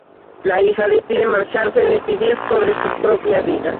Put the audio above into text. La hija decide marcharse, decidir sobre su propia vida.